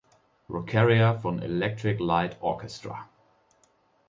Rockaria von Electric Light Orchestra!